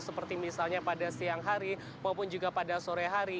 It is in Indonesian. seperti misalnya pada siang hari maupun juga pada sore hari